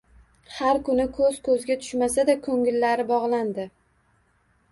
Har kuni ko`z-ko`zga tushmasa-da, ko`ngillari bog`landi